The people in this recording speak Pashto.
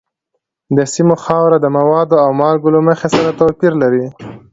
د سیمو خاوره د موادو او مالګو له مخې سره توپیر لري.